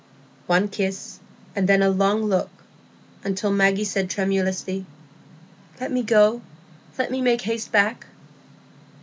One kiss, and then a long look, until Maggie said tremulously, "Let me go,—let me make haste back."